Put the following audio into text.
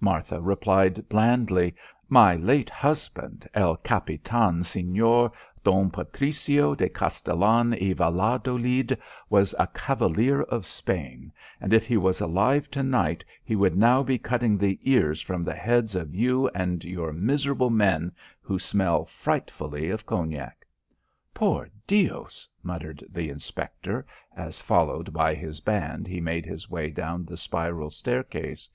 Martha replied blandly, "My late husband, El Capitan Señor Don Patricio de Castellon y Valladolid was a cavalier of Spain and if he was alive to night he would now be cutting the ears from the heads of you and your miserable men who smell frightfully of cognac." "Por Dios!" muttered the inspector as followed by his band he made his way down the spiral staircase.